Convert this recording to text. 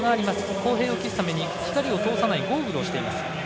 公平を期すために光を通さないゴーグルをしています。